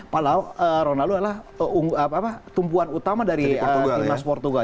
padahal ronaldo adalah tumpuan utama dari timnas portugal